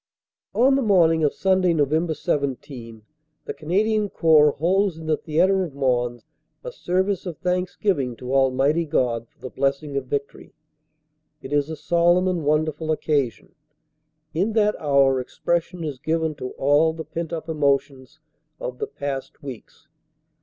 On the morning of Sunday, Nov. 17, the Canadian Corps holds in the theatre of Mons a service of thanksgiving to Almighty God for the blessing of victory. It is a solemn and wonderful occasion. In that hour expression is given to all the pent up emotions of the past weeks.